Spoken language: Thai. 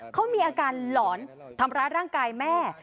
เขามีอาการหลอนทำร้ายร่างกายแม่